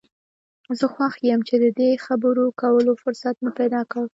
زه خوښ یم چې د دې خبرو کولو فرصت مې پیدا کړ.